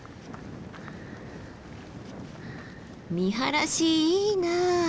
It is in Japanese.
見晴らしいいな。